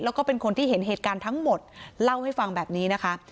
แล้วก็เป็นคนที่เห็นเหตุการณ์ทั้งหมดเล่าให้ฟังแบบนี้นะคะ